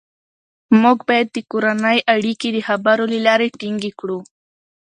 موږ باید د کورنۍ اړیکې د خبرو له لارې ټینګې کړو